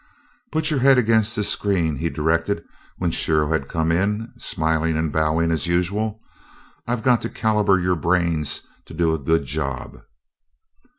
"Put your head against this screen," he directed when Shiro had come in, smiling and bowing as usual. "I've got to caliper your brains to do a good job."